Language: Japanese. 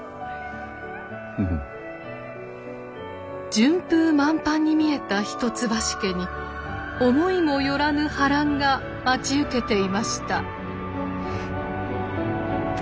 順風満帆に見えた一橋家に思いも寄らぬ波乱が待ち受けていました。